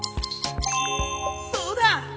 そうだ！